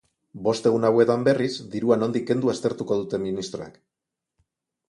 Bost egun hauetan, berriz, dirua nondik kendu aztertuko dute ministroek.